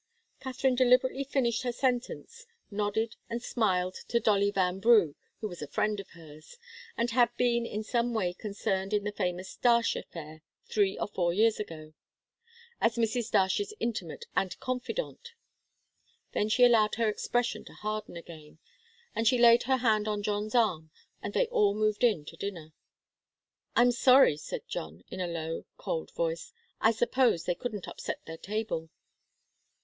Katharine deliberately finished her sentence, nodded and smiled to Dolly Vanbrugh, who was a friend of hers, and had been in some way concerned in the famous Darche affair three or four years ago, as Mrs. Darche's intimate and confidante. Then she allowed her expression to harden again, and she laid her hand on John's arm and they all moved in to dinner. "I'm sorry," said John, in a low, cold voice. "I suppose they couldn't upset their table."